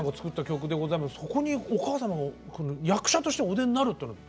そこにお母様が役者としてお出になるというのは。